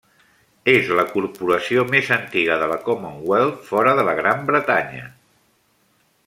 És la corporació més antiga de la Commonwealth fora de la Gran Bretanya.